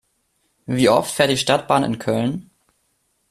Wie oft fährt die Stadtbahn in Köln?